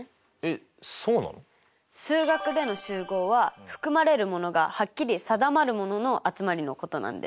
数学での集合は含まれるものがはっきり定まるものの集まりのことなんです。